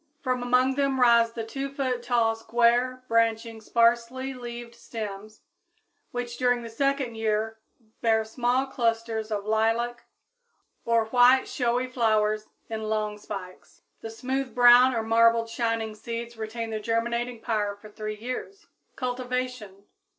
From among them rise the 2 foot tall, square, branching, sparsely leaved stems, which during the second year bear small clusters of lilac or white showy flowers in long spikes. The smooth brown or marbled shining seeds retain their germinating power for three years. _Cultivation.